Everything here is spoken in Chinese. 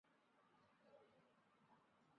卒于午沟。